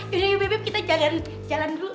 yaudah bebe kita jalan jalan dulu